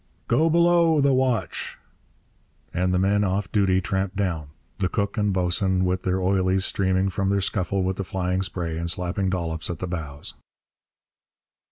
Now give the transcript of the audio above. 'Go below, the watch!' and the men off duty tramp down, the cook and boatswain with their 'oilies' streaming from their scuffle with the flying spray and slapping dollops at the bows.